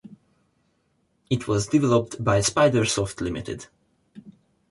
It was developed by Spidersoft Limited.